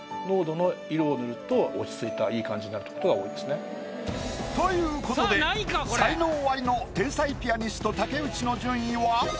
塗るとという事で才能アリの天才ピアニスト竹内の順位は。